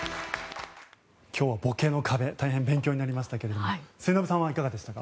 今日は「ぼけの壁」大変勉強になりましたが末延さんはいかがでしたか？